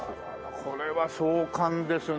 これは壮観ですね。